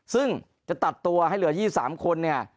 ซึ่งจะตัดตัวให้เหลือ๒๓คนเนี่ย